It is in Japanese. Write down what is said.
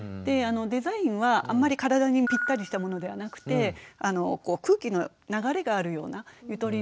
デザインはあんまり体にぴったりしたものではなくて空気の流れがあるようなゆとりのあるものがいいと思います。